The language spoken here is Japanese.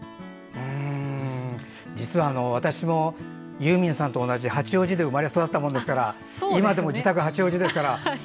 実は私もユーミンさんと同じ八王子で生まれ育ったもんですから今でも自宅は八王子ですから。